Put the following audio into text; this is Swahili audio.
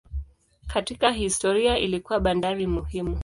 Katika historia ilikuwa bandari muhimu.